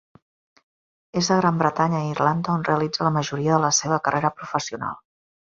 És a Gran Bretanya i Irlanda on realitza la majoria de la seva carrera professional.